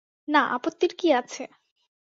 না, আপত্তির কী আছে?